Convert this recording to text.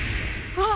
あっ！